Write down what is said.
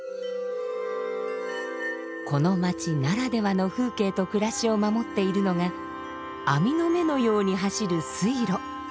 この街ならではの風景と暮らしを守っているのが網の目のように走る水路。